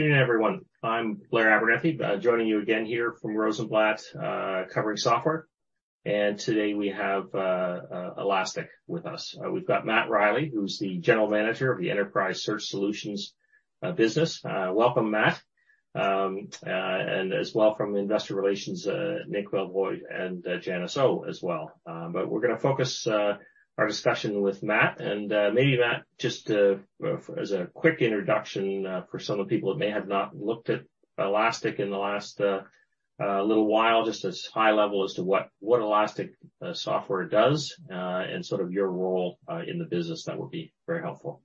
Good afternoon, everyone. I'm Blair Abernethy, joining you again here from Rosenblatt, covering software. Today we have Elastic with us. We've got Matt Riley, who's the General Manager of the Enterprise Search Solutions Business. Welcome, Matt. As well from investor relations, Nick Welbort and Janice Oh, as well. We're going to focus our discussion with Matt. Maybe, Matt, just as a quick introduction, for some of the people that may have not looked at Elastic in the last little while, just as high level as to what Elastic software does, and sort of your role in the business, that would be very helpful.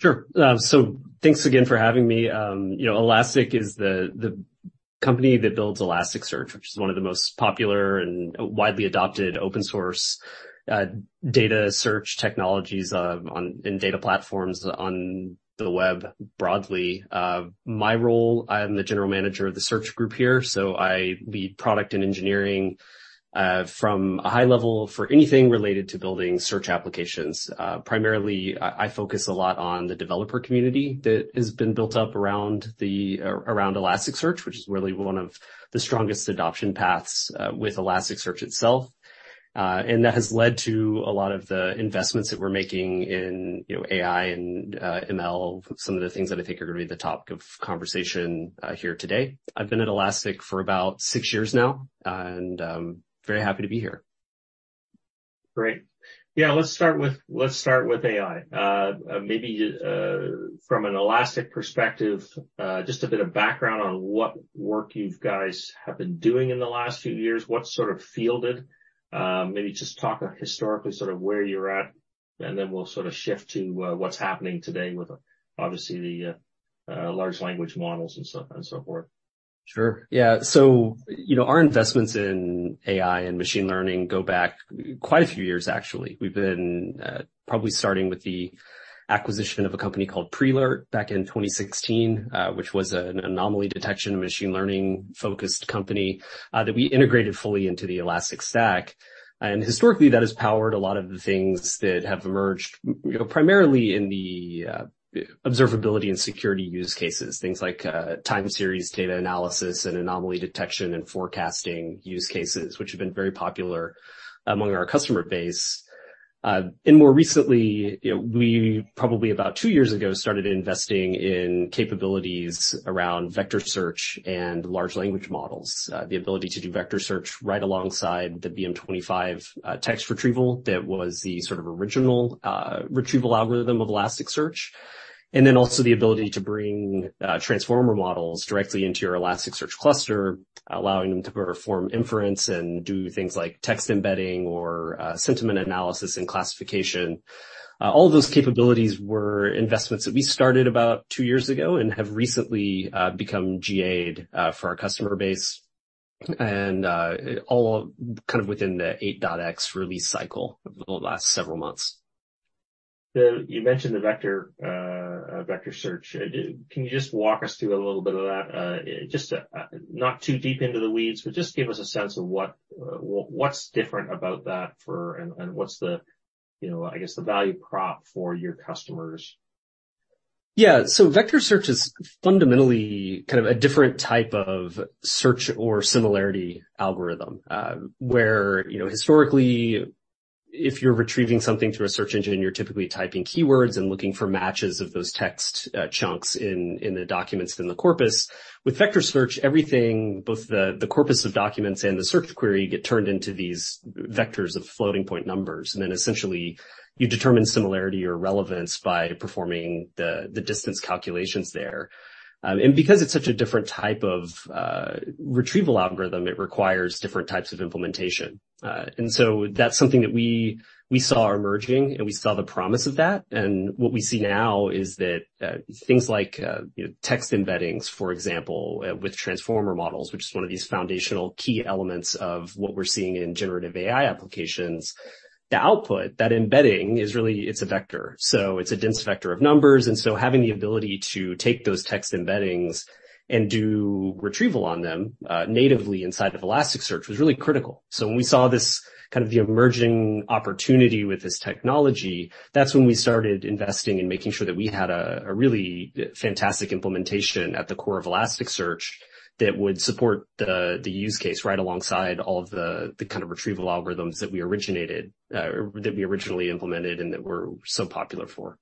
Thanks again for having me. You know, Elastic is the company that builds Elasticsearch, which is one of the most popular and widely adopted open-source data search technologies in data platforms on the web broadly. My role, I am the General Manager of the search group here, so I lead product and engineering from a high level for anything related to building search applications. Primarily, I focus a lot on the developer community that has been built up around Elasticsearch, which is really one of the strongest adoption paths with Elasticsearch itself. That has led to a lot of the investments that we're making in, you know, AI and ML, some of the things that I think are going to be the top of conversation here today. I've been at Elastic for about six years now, and, very happy to be here. Great. Yeah, let's start with AI. Maybe from an Elastic perspective, just a bit of background on what work you guys have been doing in the last few years, what sort of fielded. Maybe just talk historically, sort of where you're at. Then we'll sort of shift to what's happening today with, obviously, the large language models and so on and so forth. Sure. Yeah, you know, our investments in AI and machine learning go back quite a few years, actually. We've been, probably starting with the acquisition of a company called Prelert back in 2016, which was an anomaly detection, machine learning-focused company, that we integrated fully into the Elastic Stack. Historically, that has powered a lot of the things that have emerged, you know, primarily in the observability and security use cases, things like time series, data analysis, and anomaly detection, and forecasting use cases, which have been very popular among our customer base. More recently, you know, we probably about 2 years ago, started investing in capabilities around vector search and large language models. The ability to do vector search right alongside the BM-25 text retrieval, that was the sort of original retrieval algorithm of Elasticsearch, and then also the ability to bring transformer models directly into your Elasticsearch cluster, allowing them to perform inference and do things like text embedding or sentiment analysis and classification. All those capabilities were investments that we started about two years ago and have recently become GA'd for our customer base, and all kind of within the 8.x release cycle over the last several months. You mentioned the vector search. Can you just walk us through a little bit of that? Just, not too deep into the weeds, but just give us a sense of what's different about that and what's the, you know, I guess, the value prop for your customers. Yeah. Vector search is fundamentally kind of a different type of search or similarity algorithm, where, you know, historically, if you're retrieving something through a search engine, you're typically typing keywords and looking for matches of those text chunks in the documents in the corpus. With vector search, everything, both the corpus of documents and the search query, get turned into these vectors of floating point numbers. Essentially, you determine similarity or relevance by performing the distance calculations there. Because it's such a different type of retrieval algorithm, it requires different types of implementation. That's something that we saw emerging, and we saw the promise of that. What we see now is that, you know, text embeddings, for example, with transformer models, which is one of these foundational key elements of what we're seeing in generative AI applications. The output, that embedding, is really, it's a vector, so it's a dense vector of numbers, and so having the ability to take those text embeddings and do retrieval on them, natively inside of Elasticsearch was really critical. When we saw this kind of the emerging opportunity with this technology, that's when we started investing and making sure that we had a really fantastic implementation at the core of Elasticsearch that would support the use case right alongside all of the kind of retrieval algorithms that we originated, that we originally implemented and that we're so popular for.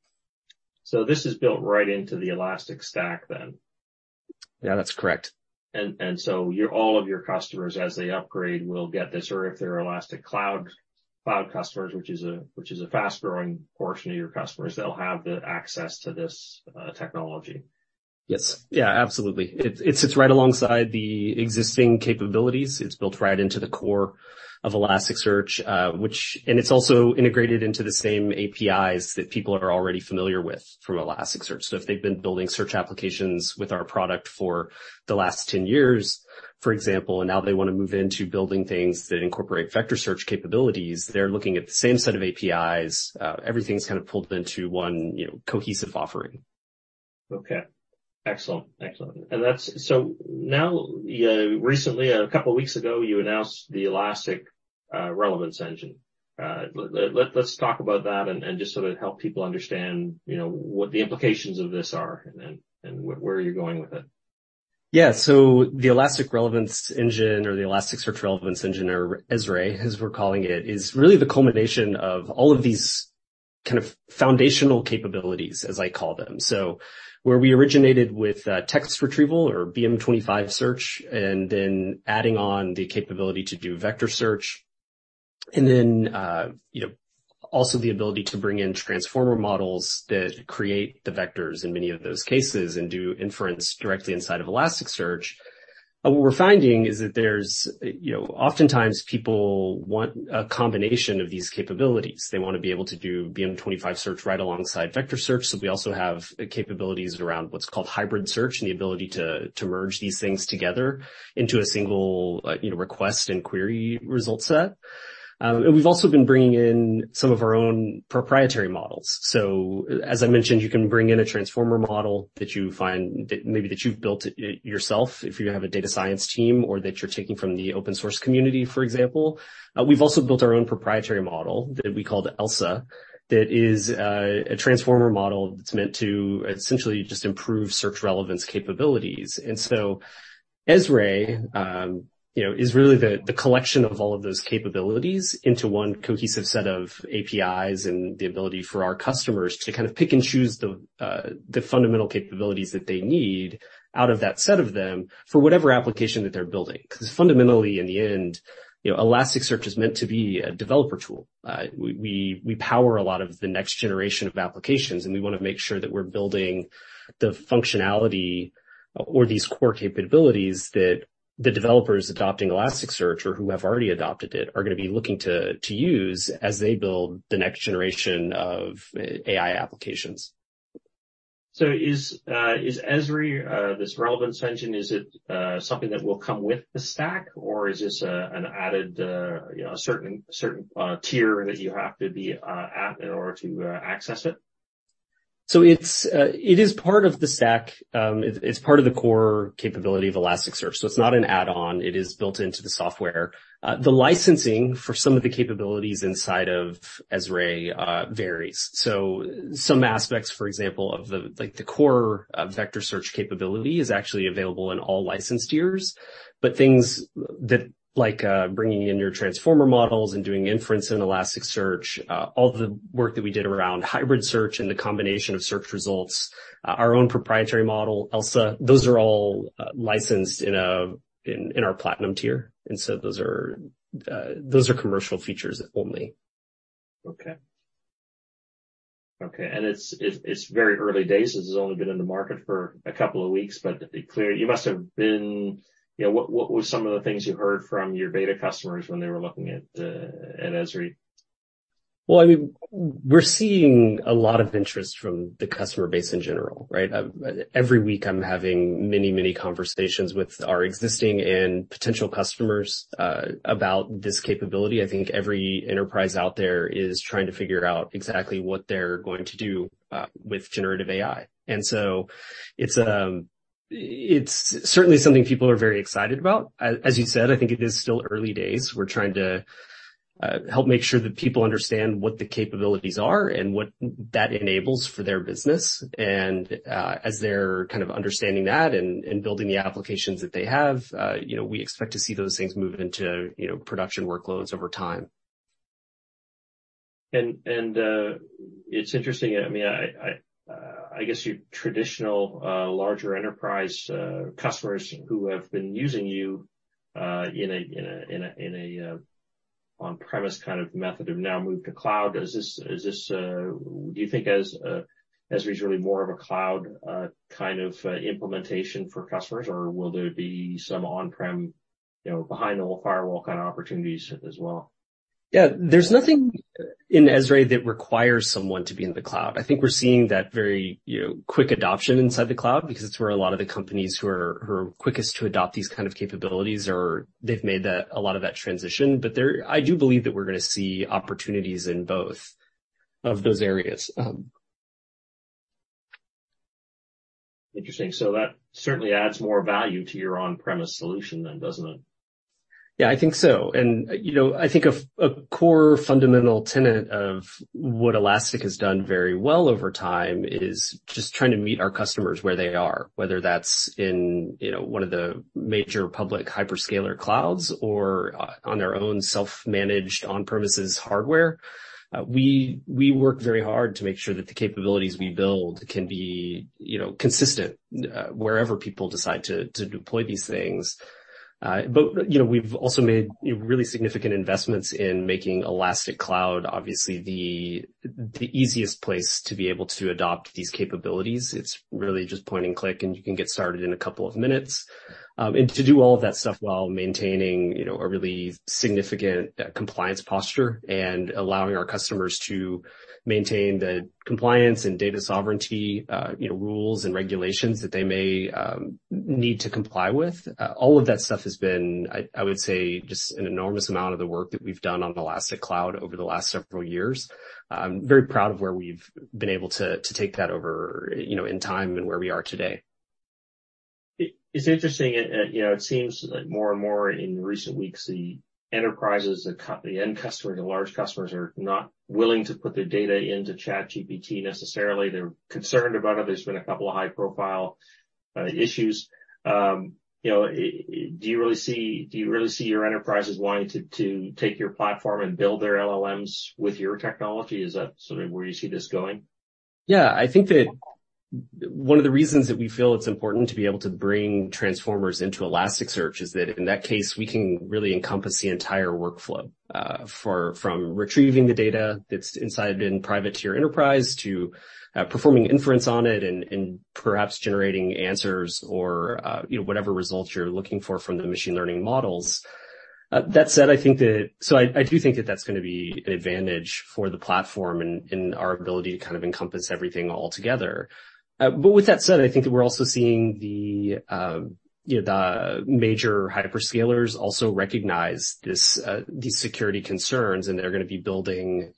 This is built right into the Elastic Stack then? Yeah, that's correct. All of your customers, as they upgrade, will get this, or if they're Elastic Cloud customers, which is a fast-growing portion of your customers, they'll have the access to this technology. Yes. Yeah, absolutely. It sits right alongside the existing capabilities. It's built right into the core of Elasticsearch. It's also integrated into the same APIs that people are already familiar with from Elasticsearch. If they've been building search applications with our product for the last 10 years, for example, and now they want to move into building things that incorporate vector search capabilities, they're looking at the same set of APIs. Everything's kind of pulled into one, you know, cohesive offering. Okay. Excellent, excellent. That's so now, recently, a couple of weeks ago, you announced the Elastic Relevance Engine. Let's talk about that and just sort of help people understand, you know, what the implications of this are and then, where are you going with it? Yeah. The Elasticsearch Relevance Engine or the Elasticsearch Relevance Engine, or ESRE, as we're calling it, is really the culmination of all of these kind of foundational capabilities, as I call them. Where we originated with text retrieval or BM-25 search, and then adding on the capability to do vector search, and then, you know, also the ability to bring in transformer models that create the vectors in many of those cases and do inference directly inside of Elasticsearch. What we're finding is that there's, you know, oftentimes people want a combination of these capabilities. They want to be able to do BM-25 search right alongside vector search. We also have capabilities around what's called hybrid search, and the ability to merge these things together into a single, you know, request and query result set. We've also been bringing in some of our own proprietary models. As I mentioned, you can bring in a transformer model that you find, that maybe that you've built yourself, if you have a data science team or that you're taking from the open source community, for example. We've also built our own proprietary model that we call the ELSER. That is a transformer model that's meant to essentially just improve search relevance capabilities. ESRE, you know, is really the collection of all of those capabilities into one cohesive set of APIs, and the ability for our customers to kind of pick and choose the fundamental capabilities that they need out of that set of them for whatever application that they're building. 'Cause fundamentally, in the end, you know, Elasticsearch is meant to be a developer tool. We power a lot of the next generation of applications, we want to make sure that we're building the functionality or these core capabilities that the developers adopting Elasticsearch or who have already adopted it, are going to be looking to use as they build the next generation of AI applications. Is ESRE, this relevance engine, is it something that will come with the stack, or is this an added, you know, a certain tier that you have to be at in order to access it? It's, it is part of the stack. It's, it's part of the core capability of Elasticsearch, so it's not an add-on, it is built into the software. The licensing for some of the capabilities inside of ESRE varies. Some aspects, for example, of the core vector search capability is actually available in all licensed tiers. Things that, like, bringing in your transformer models and doing inference in Elasticsearch, all the work that we did around hybrid search and the combination of search results, our own proprietary model, ELSER, those are all licensed in our platinum tier, and so those are commercial features only. Okay. Okay, it's very early days. This has only been in the market for a couple of weeks. It clear you must have been. You know, what were some of the things you heard from your beta customers when they were looking at ESRE? Well, I mean, we're seeing a lot of interest from the customer base in general, right? Every week I'm having many, many conversations with our existing and potential customers about this capability. I think every enterprise out there is trying to figure out exactly what they're going to do with generative AI. It's certainly something people are very excited about. As you said, I think it is still early days. We're trying to help make sure that people understand what the capabilities are and what that enables for their business. As they're kind of understanding that and building the applications that they have, you know, we expect to see those things move into, you know, production workloads over time. It's interesting, I mean, I guess your traditional, larger enterprise customers who have been using you in a on-premise kind of method have now moved to cloud. Do you think as ESRE's really more of a cloud kind of implementation for customers or will there be some on-prem, you know, behind the firewall kind of opportunities as well? Yeah. There's nothing in ESRE that requires someone to be in the cloud. I think we're seeing that very, you know, quick adoption inside the cloud because it's where a lot of the companies who are quickest to adopt these kind of capabilities are, they've made a lot of that transition. I do believe that we're gonna see opportunities in both of those areas. Interesting. That certainly adds more value to your on-premise solution then, doesn't it? Yeah, I think so. You know, I think a core fundamental tenet of what Elastic has done very well over time is just trying to meet our customers where they are, whether that's in, you know, one of the major public hyperscaler clouds or on their own self-managed on-premises hardware. We work very hard to make sure that the capabilities we build can be, you know, consistent wherever people decide to deploy these things. You know, we've also made really significant investments in making Elastic Cloud, obviously the easiest place to be able to adopt these capabilities. It's really just point and click, and you can get started in a couple of minutes. To do all of that stuff while maintaining, you know, a really significant, compliance posture and allowing our customers to maintain the compliance and data sovereignty, you know, rules and regulations that they may need to comply with. All of that stuff has been, I would say, just an enormous amount of the work that we've done on Elastic Cloud over the last several years. I'm very proud of where we've been able to take that over, you know, in time and where we are today.... It's interesting, and, you know, it seems that more and more in recent weeks, the enterprises, the end customers, the large customers, are not willing to put their data into ChatGPT necessarily. They're concerned about it. There's been a couple of high-profile issues. You know, do you really see your enterprises wanting to take your platform and build their LLMs with your technology? Is that sort of where you see this going? I think that one of the reasons that we feel it's important to be able to bring transformers into Elasticsearch, is that in that case, we can really encompass the entire workflow. From retrieving the data that's inside and private to your enterprise, to performing inference on it and perhaps generating answers or, you know, whatever results you're looking for from the machine learning models. That said, I think that I do think that that's going to be an advantage for the platform and our ability to kind of encompass everything all together. With that said, I think that we're also seeing the, you know, the major hyperscalers also recognize this, these security concerns, and they're going to be building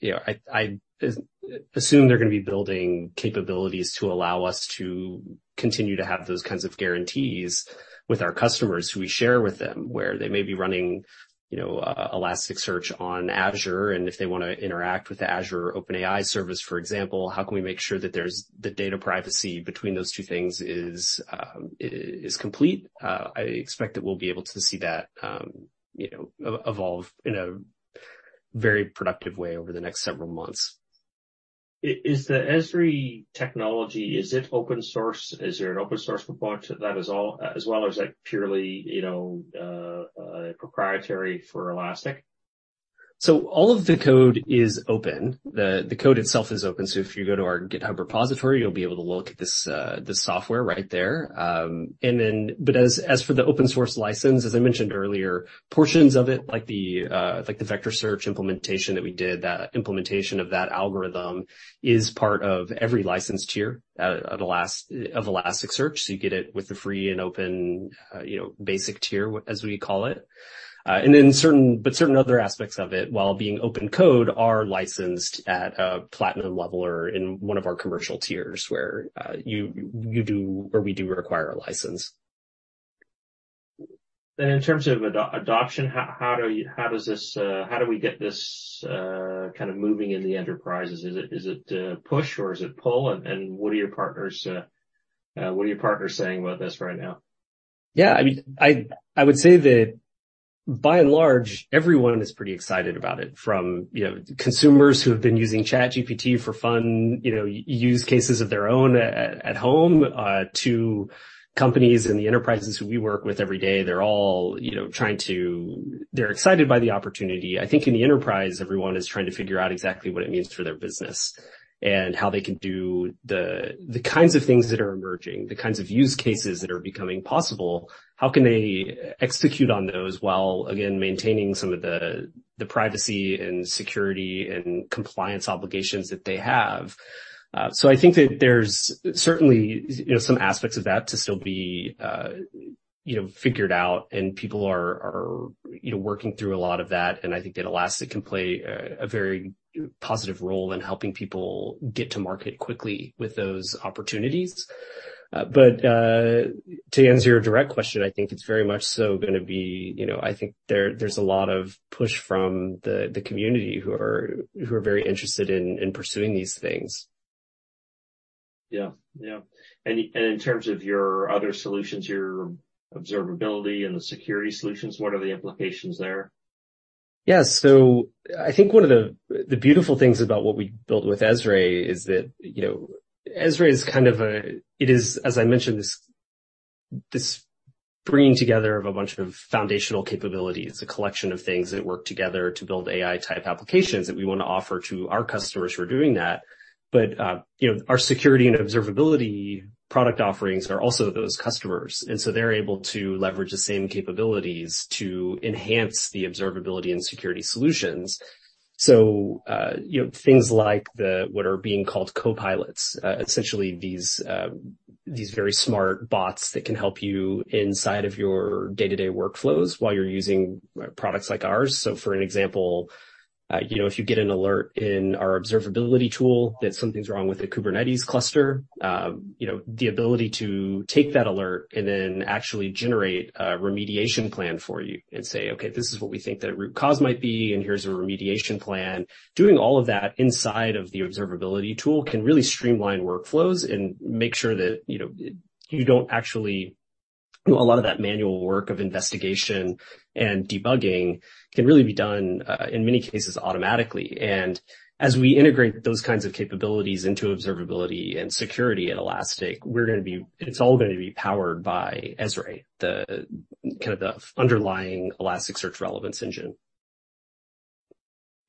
capabilities to allow us to continue to have those kinds of guarantees with our customers who we share with them. Where they may be running, you know, Elasticsearch on Azure, and if they want to interact with the Azure OpenAI Service, for example, how can we make sure that there's, the data privacy between those two things is complete? I expect that we'll be able to see that, you know, evolve in a very productive way over the next several months. Is the ESRE technology, is it open source? Is there an open source component to that as well, as like purely, you know, proprietary for Elastic? All of the code is open. The code itself is open. If you go to our GitHub repository, you'll be able to look at this software right there. As for the open source license, as I mentioned earlier, portions of it, like the vector search implementation that we did, that implementation of that algorithm, is part of every license tier of Elasticsearch. You get it with the free and open, you know, basic tier, as we call it. Certain, but certain other aspects of it, while being open code, are licensed at a platinum level or in one of our commercial tiers, where we do require a license. In terms of adoption, how do you, how does this, how do we get this kind of moving in the enterprises? Is it push or is it pull? What are your partners saying about this right now? Yeah, I mean, I would say that by and large, everyone is pretty excited about it. From, you know, consumers who have been using ChatGPT for fun, you know, use cases of their own at home, to companies and the enterprises we work with every day. They're all, you know, excited by the opportunity. I think in the enterprise, everyone is trying to figure out exactly what it means for their business and how they can do the kinds of things that are emerging, the kinds of use cases that are becoming possible. How can they execute on those while, again, maintaining some of the privacy and security, and compliance obligations that they have? I think that there's certainly, you know, some aspects of that to still be, you know, figured out, and people are, you know, working through a lot of that, and I think that Elastic can play a very positive role in helping people get to market quickly with those opportunities. To answer your direct question, I think it's very much so gonna be, you know, I think there's a lot of push from the community who are very interested in pursuing these things. Yeah. Yeah. In terms of your other solutions, your observability and the security solutions, what are the implications there? Yeah. I think one of the beautiful things about what we built with ESRE is that, you know, ESRE is this bringing together of a bunch of foundational capabilities, a collection of things that work together to build AI-type applications that we want to offer to our customers who are doing that. You know, our security and observability product offerings are also those customers. They're able to leverage the same capabilities to enhance the observability and security solutions. You know, things like what are being called copilots, essentially these very smart bots that can help you inside of your day-to-day workflows while you're using products like ours. For an example, you know, if you get an alert in our observability tool that something's wrong with the Kubernetes cluster, you know, the ability to take that alert and then actually generate a remediation plan for you and say: Okay, this is what we think the root cause might be, and here's a remediation plan. Doing all of that inside of the observability tool can really streamline workflows and make sure that, you know, you don't actually do a lot of that manual work of investigation and debugging, can really be done, in many cases, automatically. As we integrate those kinds of capabilities into observability and security at Elastic, it's all gonna be powered by ESRE, the kind of the underlying Elasticsearch Relevance Engine.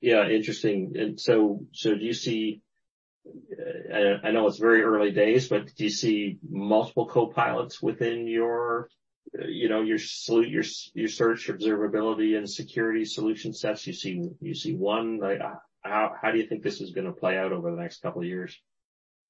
Yeah, interesting. Do you see... I know it's very early days, but do you see multiple copilots within your, you know, your search, observability, and security solution sets? You see one? Like, how do you think this is gonna play out over the next couple of years?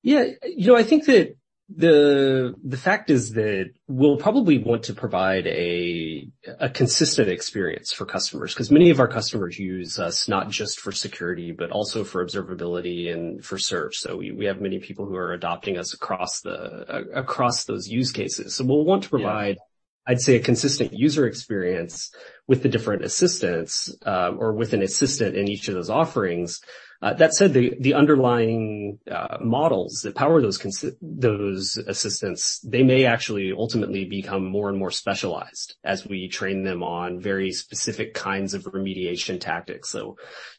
Yeah. You know, I think that the fact is that we'll probably want to provide a consistent experience for customers, 'cause many of our customers use us not just for security, but also for observability and for search. We have many people who are adopting us across those use cases. We'll want to provide, I'd say, a consistent user experience with the different assistants, or with an assistant in each of those offerings. That said, the underlying models that power those assistants, they may actually ultimately become more and more specialized as we train them on very specific kinds of remediation tactics.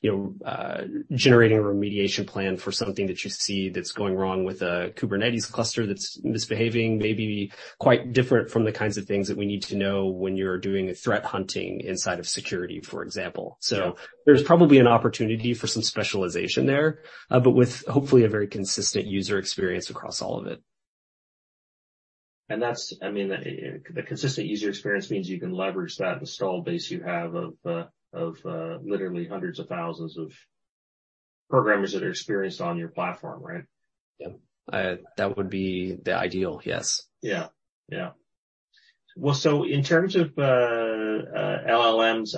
You know, generating a remediation plan for something that you see that's going wrong with a Kubernetes cluster that's misbehaving, may be quite different from the kinds of things that we need to know when you're doing a threat hunting inside of security, for example. Yeah. There's probably an opportunity for some specialization there, but with hopefully a very consistent user experience across all of it. I mean, the consistent user experience means you can leverage that installed base you have of literally hundreds of thousands of programmers that are experienced on your platform, right? Yeah. That would be the ideal, yes. Yeah. Yeah. Well, in terms of LLMs,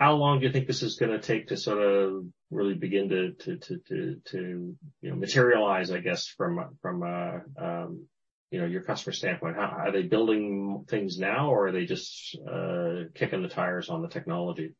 how long do you think this is gonna take to sort of really begin to, you know, materialize, I guess, from a, you know, your customer standpoint? How are they building things now, or are they just kicking the tires on the technology?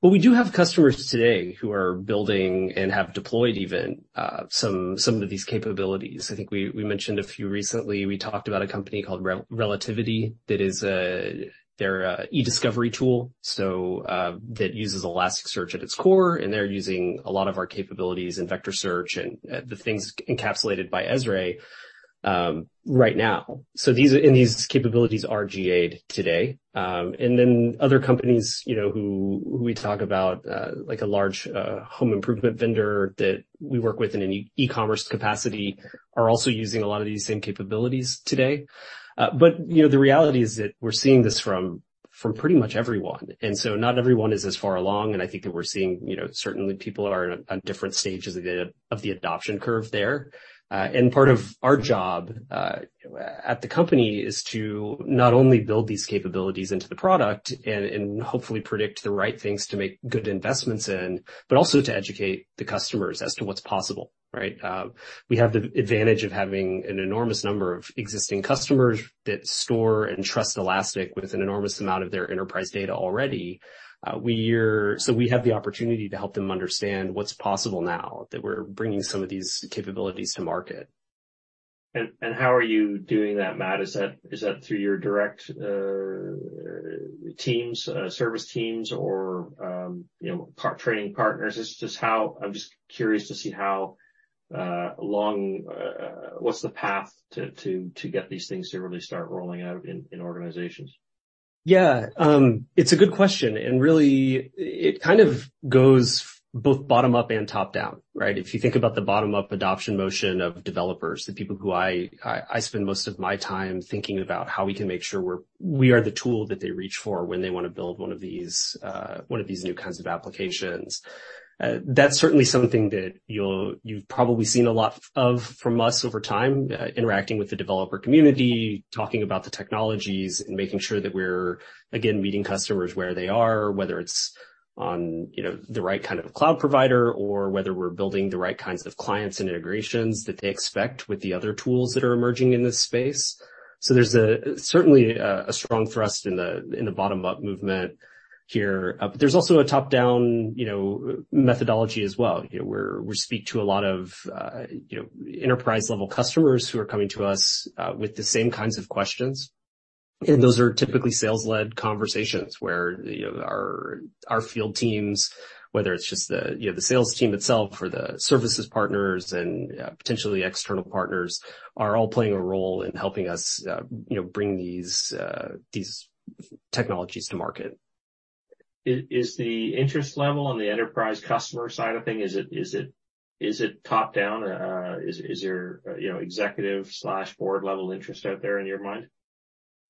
Well, we do have customers today who are building and have deployed even some of these capabilities. I think we mentioned a few recently. We talked about a company called Relativity. That is their eDiscovery tool, so that uses Elasticsearch at its core, and they're using a lot of our capabilities in vector search and the things encapsulated by ESRE right now. These capabilities are GA'd today. Other companies, you know, who we talk about, like a large home improvement vendor that we work with in an e-commerce capacity, are also using a lot of these same capabilities today. You know, the reality is that we're seeing this from pretty much everyone, not everyone is as far along, and I think that we're seeing, you know, certainly people are on different stages of the adoption curve there. Part of our job at the company is to not only build these capabilities into the product and hopefully predict the right things to make good investments in, but also to educate the customers as to what's possible, right. We have the advantage of having an enormous number of existing customers that store and trust Elastic with an enormous amount of their enterprise data already. We have the opportunity to help them understand what's possible now that we're bringing some of these capabilities to market. How are you doing that, Matt? Is that through your direct teams, service teams or, you know, training partners? It's just how. I'm just curious to see how long what's the path to get these things to really start rolling out in organizations? Yeah. It's a good question, and really, it kind of goes both bottom-up and top-down, right? If you think about the bottom-up adoption motion of developers, the people who I spend most of my time thinking about how we can make sure we are the tool that they reach for when they wanna build one of these, one of these new kinds of applications. That's certainly something that you've probably seen a lot of from us over time, interacting with the developer community, talking about the technologies, and making sure that we're, again, meeting customers where they are, whether it's on, you know, the right kind of cloud provider, or whether we're building the right kinds of clients and integrations that they expect with the other tools that are emerging in this space. There's a certainly strong thrust in the bottom-up movement here. There's also a top-down, you know, methodology as well. You know, we speak to a lot of, you know, enterprise-level customers who are coming to us with the same kinds of questions. Those are typically sales-led conversations where, you know, our field teams, whether it's just the, you know, the sales team itself or the services partners, and potentially external partners, are all playing a role in helping us, you know, bring these technologies to market. Is the interest level on the enterprise customer side of thing, is it top-down? Is there, you know, executive/board level interest out there in your mind?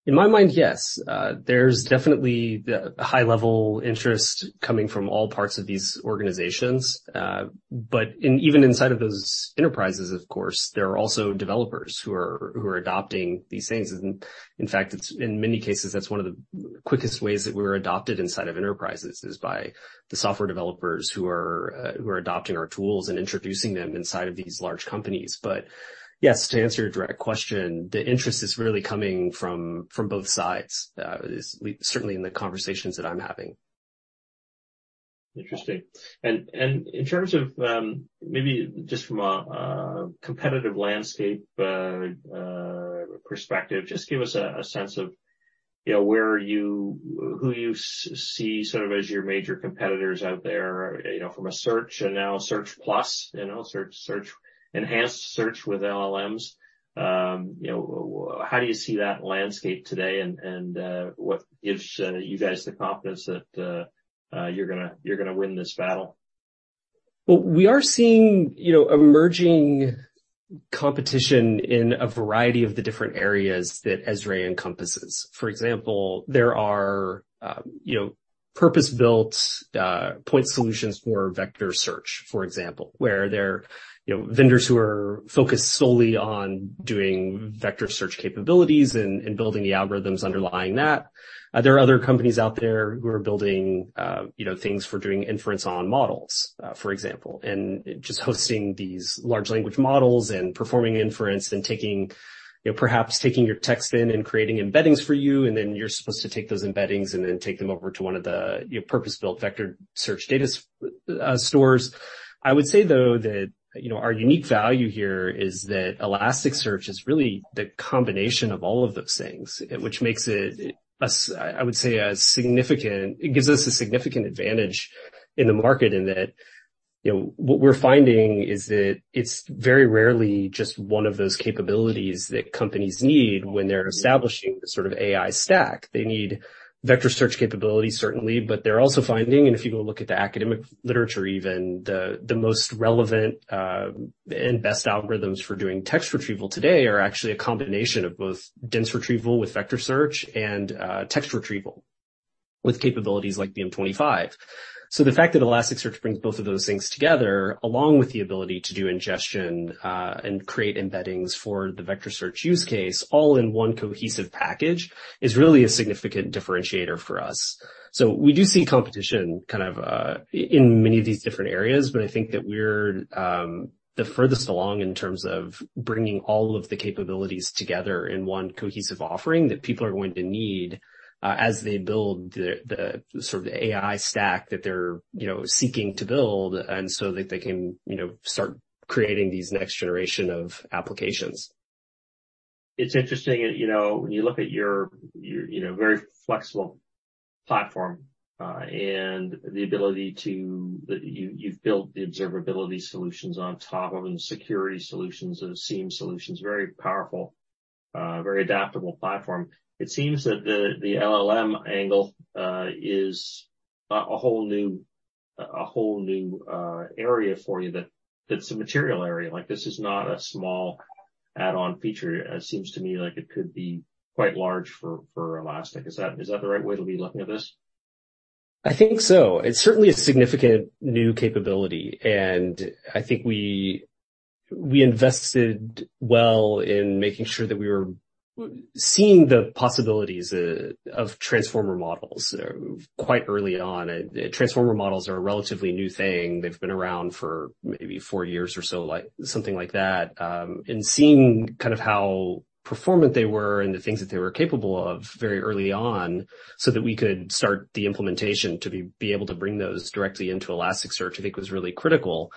In my mind, yes. There's definitely the high-level interest coming from all parts of these organizations. Even inside of those enterprises, of course, there are also developers who are adopting these things. In fact, it's in many cases, that's one of the quickest ways that we're adopted inside of enterprises, is by the software developers who are adopting our tools and introducing them inside of these large companies. Yes, to answer your direct question, the interest is really coming from both sides, is certainly in the conversations that I'm having. Interesting. In terms of, maybe just from a competitive landscape perspective, just give us a sense of, you know, Who you see sort of as your major competitors out there, you know, from a search and now search plus, you know, search, enhanced search with LLMs. You know, how do you see that landscape today, and what gives you guys the confidence that you're gonna win this battle? Well, we are seeing, you know, emerging competition in a variety of the different areas that ESRE encompasses. For example, there are purpose-built point solutions for vector search, for example, where there are, you know, vendors who are focused solely on doing vector search capabilities and building the algorithms underlying that. There are other companies out there who are building, you know, things for doing inference on models, for example, and just hosting these large language models and performing inference and taking, you know, perhaps taking your text in and creating embeddings for you, and then you're supposed to take those embeddings and then take them over to one of the, you know, purpose-built vector search data stores. I would say, though, that, you know, our unique value here is that Elasticsearch is really the combination of all of those things, which makes it I would say, a significant. It gives us a significant advantage in the market in that, you know, what we're finding is that it's very rarely just one of those capabilities that companies need when they're establishing the sort of AI stack. They need vector search capabilities, certainly, but they're also finding, and if you go look at the academic literature, even the most relevant and best algorithms for doing text retrieval today are actually a combination of both dense retrieval with vector search and text retrieval with capabilities like BM-25. The fact that Elasticsearch brings both of those things together, along with the ability to do ingestion, and create embeddings for the vector search use case, all in one cohesive package, is really a significant differentiator for us. We do see competition kind of, in many of these different areas, but I think that we're the furthest along in terms of bringing all of the capabilities together in one cohesive offering that people are going to need, as they build the sort of AI stack that they're, you know, seeking to build, and so that they can, you know, start creating these next generation of applications. It's interesting, you know, when you look at your, you know, very flexible platform, and the ability that you've built the observability solutions on top of, and security solutions, and SIEM solutions, very powerful, very adaptable platform. It seems that the LLM angle is a whole new area for you, that it's a material area. Like, this is not a small add-on feature. It seems to me like it could be quite large for Elastic. Is that the right way to be looking at this? I think so. It's certainly a significant new capability, and I think we invested well in making sure that we were seeing the possibilities of transformer models quite early on. Transformer models are a relatively new thing. They've been around for maybe four years or so, like, something like that. Seeing kind of how performant they were and the things that they were capable of very early on, so that we could start the implementation to be able to bring those directly into Elasticsearch, I think was really critical.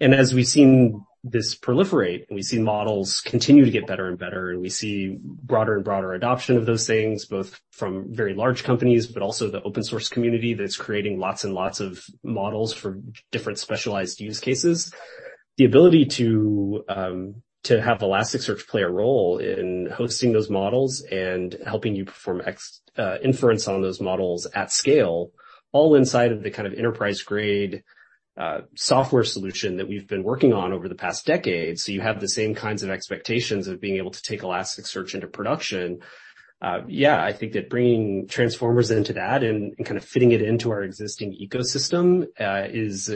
As we've seen this proliferate, and we've seen models continue to get better and better, and we see broader and broader adoption of those things, both from very large companies, but also the open source community that's creating lots and lots of models for different specialized use cases. The ability to have Elasticsearch play a role in hosting those models and helping you perform inference on those models at scale, all inside of the kind of enterprise-grade software solution that we've been working on over the past decade. You have the same kinds of expectations of being able to take Elasticsearch into production. Yeah, I think that bringing transformers into that and kind of fitting it into our existing ecosystem is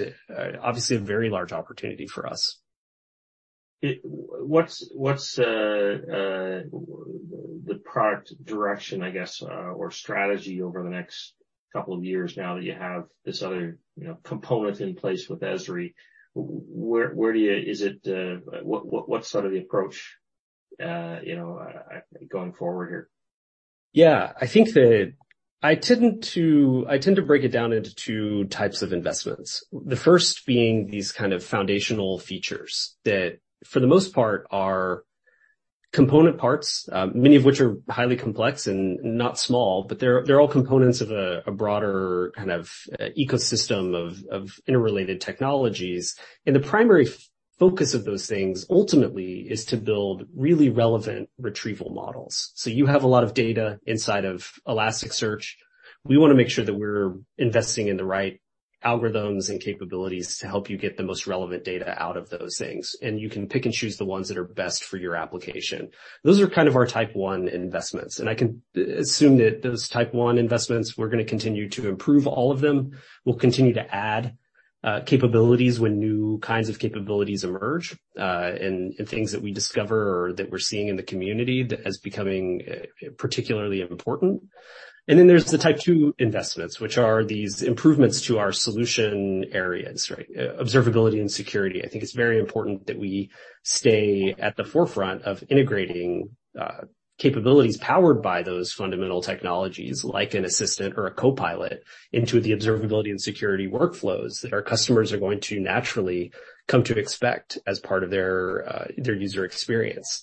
obviously a very large opportunity for us. What's the product direction, I guess, or strategy over the next couple of years now that you have this other, you know, component in place with ESRE? Where do you Is it, what's sort of the approach, you know, going forward here? Yeah, I think that I tend to break it down into two types of investments. The first being these kind of foundational features, that for the most part, are component parts, many of which are highly complex and not small, but they're all components of a broader kind of ecosystem of interrelated technologies. The primary focus of those things, ultimately, is to build really relevant retrieval models. You have a lot of data inside of Elasticsearch. We wanna make sure that we're investing in the right algorithms and capabilities to help you get the most relevant data out of those things, and you can pick and choose the ones that are best for your application. Those are kind of our type one investments. I can assume that those type one investments, we're gonna continue to improve all of them. We'll continue to add capabilities when new kinds of capabilities emerge, and things that we discover or that we're seeing in the community that is becoming particularly important. Then there's the type two investments, which are these improvements to our solution areas, right. Observability and security. I think it's very important that we stay at the forefront of integrating capabilities powered by those fundamental technologies, like an assistant or a copilot, into the observability and security workflows that our customers are going to naturally come to expect as part of their user experience.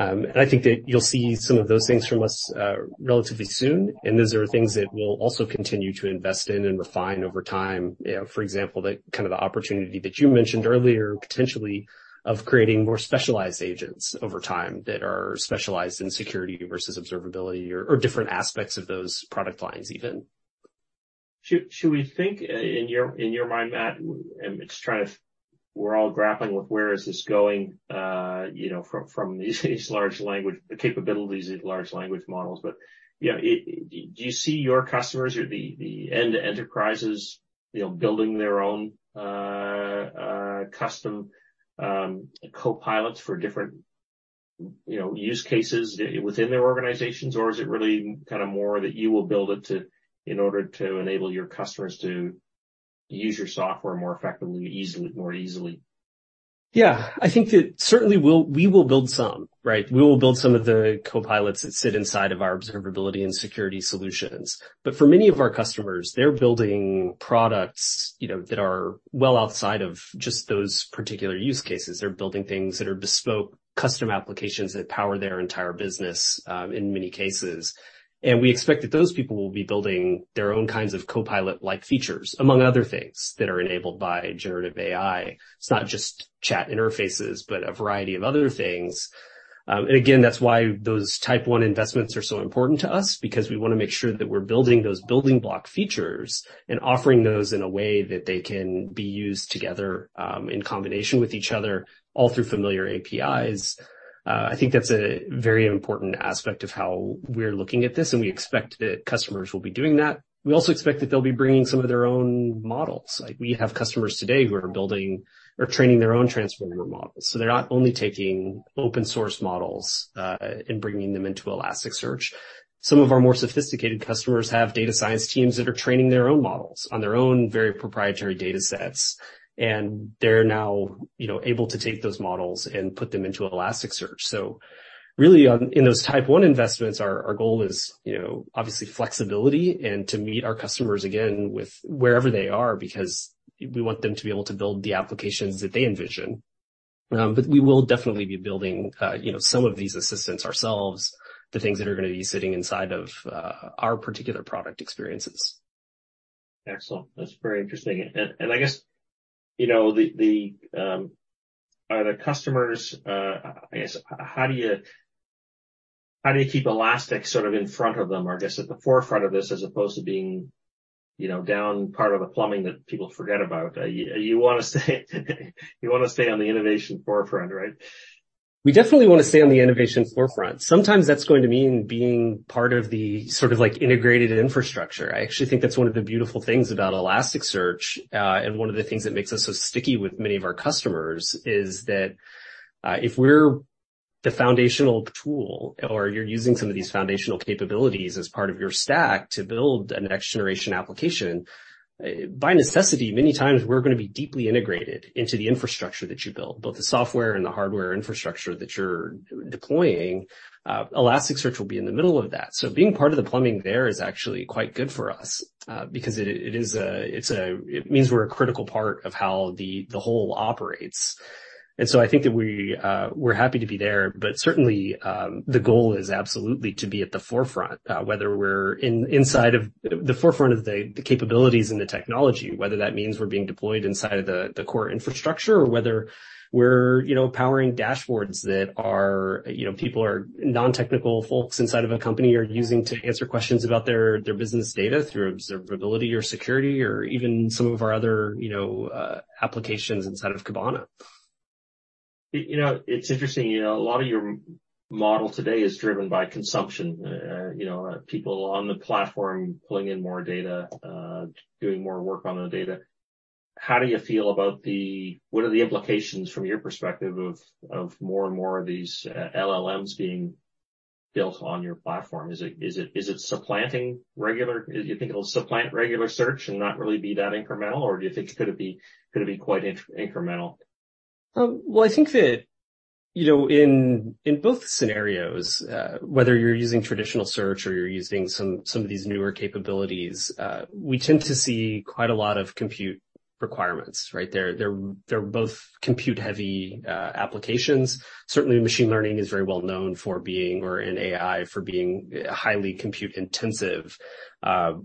I think that you'll see some of those things from us relatively soon, and those are things that we'll also continue to invest in and refine over time. You know, for example, the kind of the opportunity that you mentioned earlier, potentially of creating more specialized agents over time, that are specialized in security versus observability or different aspects of those product lines, even. Should we think in your, in your mind, Matt, we're all grappling with where is this going, you know, from these large language capabilities and large language models. You know, do you see your customers or the end enterprises, you know, building their own custom copilots for different, you know, use cases within their organizations? Is it really kind of more that you will build it to, in order to enable your customers to use your software more effectively, easily, more easily? Yeah, I think that certainly we will build some, right? We will build some of the copilots that sit inside of our observability and security solutions. For many of our customers, they're building products, you know, that are well outside of just those particular use cases. They're building things that are bespoke, custom applications that power their entire business in many cases. We expect that those people will be building their own kinds of copilot-like features, among other things, that are enabled by generative AI. It's not just chat interfaces, but a variety of other things. Again, that's why those type one investments are so important to us, because we wanna make sure that we're building those building block features and offering those in a way that they can be used together in combination with each other, all through familiar APIs. I think that's a very important aspect of how we're looking at this, and we expect that customers will be doing that. We also expect that they'll be bringing some of their own models. Like, we have customers today who are building or training their own transformer models, so they're not only taking open source models and bringing them into Elasticsearch. Some of our more sophisticated customers have data science teams that are training their own models on their own very proprietary datasets, and they're now, you know, able to take those models and put them into Elasticsearch. Really, in those type one investments, our goal is, you know, obviously flexibility and to meet our customers again with wherever they are, because we want them to be able to build the applications that they envision. We will definitely be building, you know, some of these assistants ourselves, the things that are gonna be sitting inside of, our particular product experiences. Excellent. That's very interesting. I guess, you know, I guess, how do you keep Elastic sort of in front of them, I guess, at the forefront of this, as opposed to being, you know, down part of the plumbing that people forget about? You wanna stay on the innovation forefront, right? We definitely wanna stay on the innovation forefront. Sometimes that's going to mean being part of the sort of like integrated infrastructure. I actually think that's one of the beautiful things about Elasticsearch, and one of the things that makes us so sticky with many of our customers, is that if we're the foundational tool, or you're using some of these foundational capabilities as part of your stack to build a next generation application, by necessity, many times we're gonna be deeply integrated into the infrastructure that you build, both the software and the hardware infrastructure that you're deploying. Elasticsearch will be in the middle of that. Being part of the plumbing there is actually quite good for us, because it means we're a critical part of how the whole operates. I think that we're happy to be there, but certainly, the goal is absolutely to be at the forefront, whether we're inside of the forefront of the capabilities and the technology. Whether that means we're being deployed inside of the core infrastructure or whether we're, you know, powering dashboards that are, you know, people or non-technical folks inside of a company are using to answer questions about their business data through observability or security or even some of our other, you know, applications inside of Kibana. you know, it's interesting, you know, a lot of your model today is driven by consumption. you know, people on the platform pulling in more data, doing more work on the data. What are the implications from your perspective of more and more of these LLMs being built on your platform? Is it supplanting regular search and not really be that incremental, or do you think it's gonna be quite incremental? Well, I think that, you know, in both scenarios, whether you're using traditional search or you're using some of these newer capabilities, we tend to see quite a lot of compute requirements, right? They're both compute-heavy applications. Certainly, machine learning is very well known for being... or in AI, for being highly compute-intensive,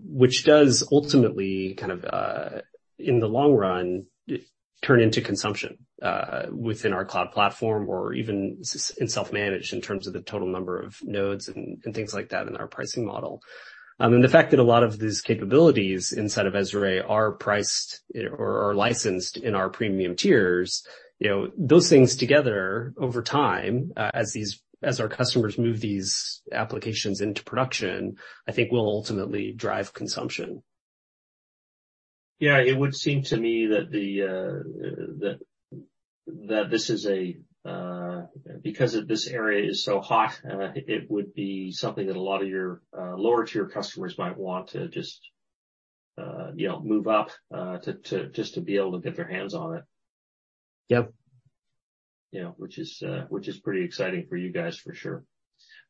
which does ultimately kind of in the long run, turn into consumption within our cloud platform or even in self-managed, in terms of the total number of nodes and things like that in our pricing model. And the fact that a lot of these capabilities inside of Elastic are priced or licensed in our premium tiers, you know, those things together over time, as our customers move these applications into production, I think will ultimately drive consumption. Yeah, it would seem to me that because of this area is so hot, it would be something that a lot of your lower-tier customers might want to just, you know, move up, to just to be able to get their hands on it. Yep. Yeah, which is, which is pretty exciting for you guys for sure.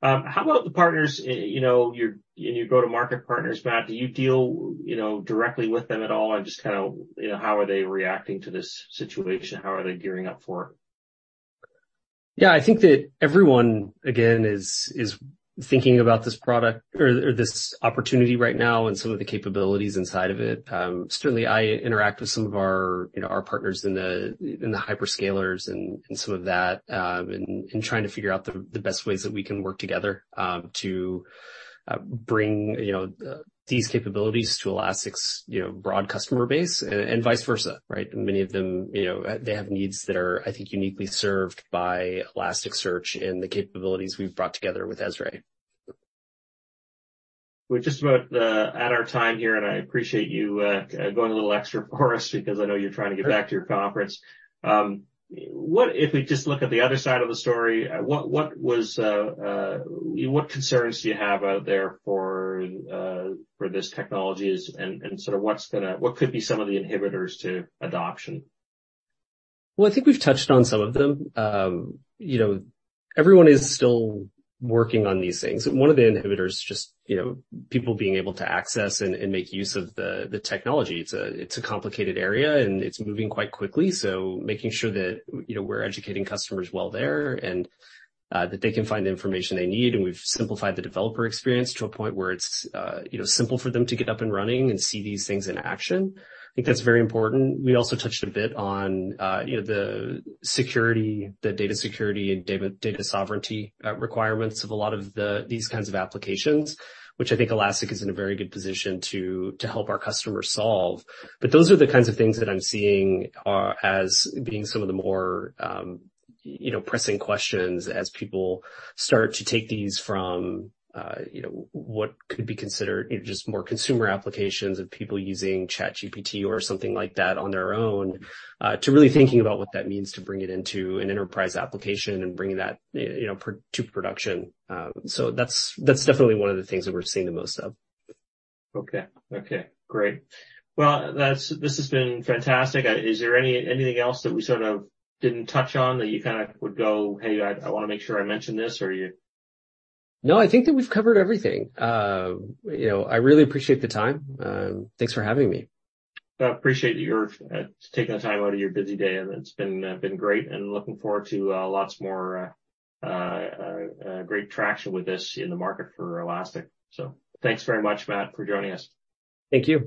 How about the partners, you know, your, and you go-to-market partners, Matt, do you deal, you know, directly with them at all? Or just kinda, you know, how are they reacting to this situation? How are they gearing up for it? I think that everyone, again, is thinking about this product or this opportunity right now and some of the capabilities inside of it. Certainly, I interact with some of our, you know, our partners in the hyperscalers and some of that, and trying to figure out the best ways that we can work together to bring, you know, these capabilities to Elastic's, you know, broad customer base and vice versa, right? Many of them, you know, they have needs that are, I think, uniquely served by Elasticsearch and the capabilities we've brought together with Esri. We're just about at our time here, I appreciate you going a little extra for us because I know you're trying to get back to your conference. If we just look at the other side of the story, what was, what concerns do you have out there for this technologies and sort of what could be some of the inhibitors to adoption? I think we've touched on some of them. You know, everyone is still working on these things. One of the inhibitors, just, you know, people being able to access and make use of the technology. It's a complicated area, and it's moving quite quickly, making sure that, you know, we're educating customers well there, and that they can find the information they need. We've simplified the developer experience to a point where it's, you know, simple for them to get up and running and see these things in action. I think that's very important. We also touched a bit on, you know, the security, the data security, and data sovereignty requirements of a lot of these kinds of applications, which I think Elastic is in a very good position to help our customers solve. Those are the kinds of things that I'm seeing, as being some of the more, you know, pressing questions as people start to take these from, you know, what could be considered, you know, just more consumer applications of people using ChatGPT or something like that on their own, to really thinking about what that means to bring it into an enterprise application and bringing that, you know, to production. That's definitely one of the things that we're seeing the most of. Okay. Okay, great. Well, that's. This has been fantastic. Is there anything else that we sort of didn't touch on that you kinda would go, "Hey, I wanna make sure I mention this," or? No, I think that we've covered everything. You know, I really appreciate the time. Thanks for having me. I appreciate your taking the time out of your busy day, and it's been great and looking forward to lots more great traction with this in the market for Elastic. Thanks very much, Matt, for joining us. Thank you.